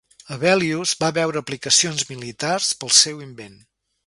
Hevelius va veure aplicacions militars pel seu invent.